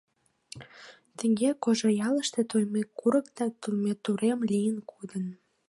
Тыге Кожеръялыште Тоймет курык да Тоймет урем лийын кодын.